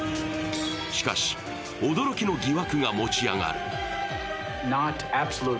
しかし、驚きの疑惑が持ち上がる。